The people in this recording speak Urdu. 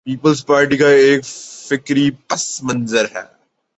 پیپلزپارٹی کا ایک فکری پس منظر ہے۔